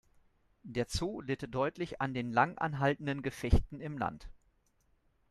Der Zoo litt deutlich an den lang anhaltenden Gefechten im Land.